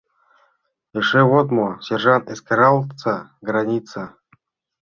— Эше вот мо, сержант: эскералтса — граница!